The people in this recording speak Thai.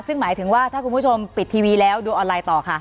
ซึ่งหมายถึงว่าถ้าคุณผู้ชมปิดทีวีแล้วดูออนไลน์ต่อค่ะ